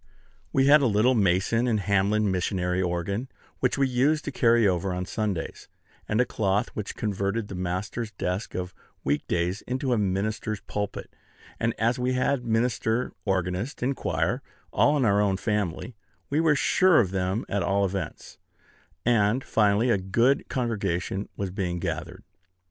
We had a little Mason and Hamlin missionary organ, which we used to carry over on Sundays, and a cloth, which converted the master's desk of week days into the minister's pulpit; and as we had minister, organist, and choir all in our own family, we were sure of them at all events; and finally a good congregation was being gathered.